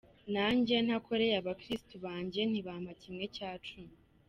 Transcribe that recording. Nanjye ntakoreye abakirisitu banjye ntibampa kimwe cya cumi.